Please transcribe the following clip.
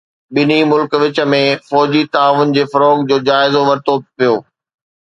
ٻنهي ملڪن وچ ۾ فوجي تعاون جي فروغ جو جائزو ورتو ويو